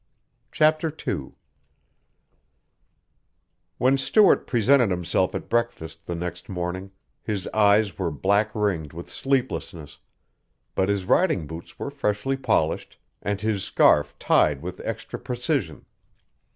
CHAPTER II When Stuart presented himself at breakfast the next morning his eyes were black ringed with sleeplessness, but his riding boots were freshly polished and his scarf tied with extra precision.